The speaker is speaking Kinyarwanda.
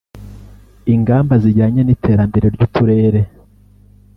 ingamba zijyanye n’iterambere ry’uturere